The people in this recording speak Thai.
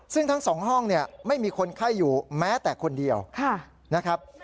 ซึ่งทั้งสองห้องเนี่ยไม่มีคนไข้อยู่แม้แต่คนเดียวนะครับ